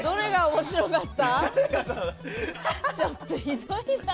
ちょっとひどいな。